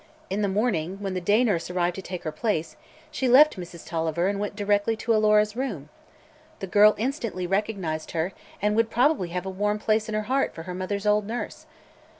In the morning, when the day nurse arrived to take her place, she left Mrs. Tolliver and went directly to Alora's room. The girl instantly recognized her and would probably have a warm place in her heart for her mother's old nurse.